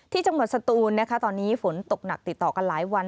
จังหวัดสตูนนะคะตอนนี้ฝนตกหนักติดต่อกันหลายวัน